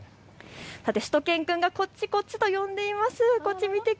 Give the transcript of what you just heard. しゅと犬くんがこっちこっちと呼んでいます。